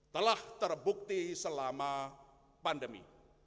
telah terbukti selama pandemi